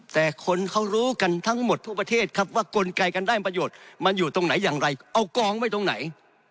แต่คนเขารู้กันทั้งหมดทุกประเทศครับว่ากลไกการได้ประโยชน์มันอยู่ตรงไหนอย่างไรเอากองไว้ตรงไหน